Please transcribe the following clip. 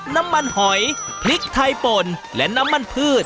น้ำมันหอยพริกไทยป่นและน้ำมันพืช